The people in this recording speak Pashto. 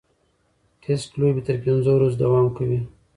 ټېسټ لوبې تر پنځو ورځو دوام کوي.